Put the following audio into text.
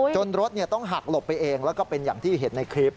รถต้องหักหลบไปเองแล้วก็เป็นอย่างที่เห็นในคลิป